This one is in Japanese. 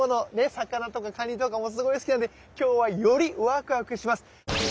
魚とかカニとかもすごい好きなんで今日はよりワクワクします。